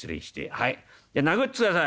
はい殴って下さい。